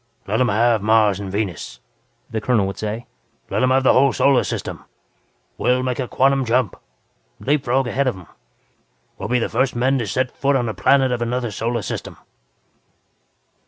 "Let 'em have Mars and Venus," the colonel would say "Let 'em have the whole damn Solar System! We'll make a quantum jump leap frog ahead of 'em. We'll be the first men to set foot on a planet of another solar system."